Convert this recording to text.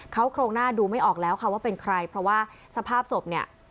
เขาโครงหน้าดูไม่ออกแล้วค่ะว่าเป็นใครเพราะว่าสภาพศพเนี่ย